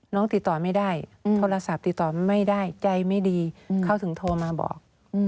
น้องติดต่อไม่ได้โทรศัพท์ติดต่อไม่ได้ใจไม่ดีเขาถึงโทรมาบอก